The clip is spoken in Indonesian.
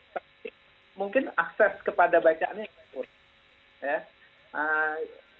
tapi mungkin akses kepada bacaannya kurang